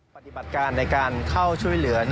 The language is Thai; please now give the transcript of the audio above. ปฏิบัติการในการเข้าช่วยเหลือ